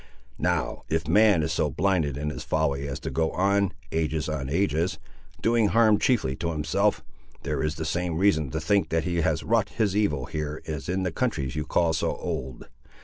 Now if man is so blinded in his folly as to go on, ages on ages, doing harm chiefly to himself, there is the same reason to think that he has wrought his evil here as in the countries you call so old.